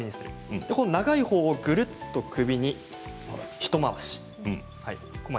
長いほうをぐるっと首に一回し。